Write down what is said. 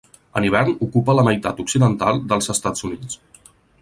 En hivern ocupa la meitat occidental dels Estats Units.